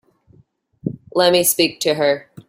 Let me speak to her.